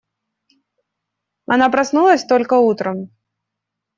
Она проснулась только утром.